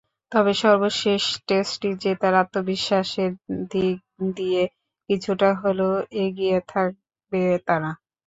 তবে সর্বশেষ টেস্টটি জেতায় আত্মবিশ্বাসের দিক দিয়ে কিছুটা হলেও এগিয়ে থাকবে তারা।